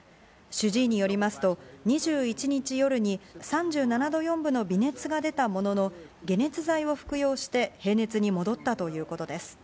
主治医によりますと、２１日夜に３７度４分の微熱が出たものの、解熱剤を服用して、平熱に戻ったということです。